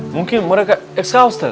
mungkin mereka ekshaustif